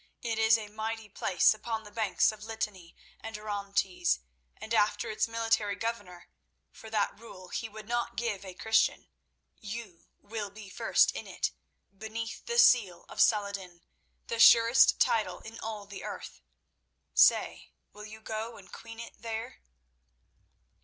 It is a mighty place upon the banks of Litani and Orontes, and after its military governor—for that rule he would not give a Christian—you will be first in it, beneath the seal of Saladin—the surest title in all the earth. Say, will you go and queen it there?"